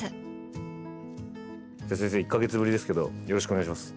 先生１か月ぶりですけどよろしくお願いします。